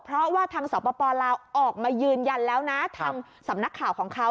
เพราะว่าทางสปลาวออกมายืนยันแล้วนะทางสำนักข่าวของเขา